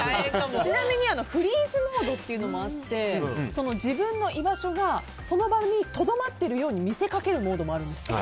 ちなみにフリーズモードというのもあって自分の居場所がその場にとどまっているように見せかけるモードもあるんですって。